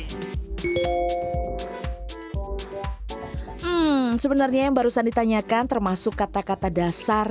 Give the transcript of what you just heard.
hmm sebenarnya yang barusan ditanyakan termasuk kata kata dasar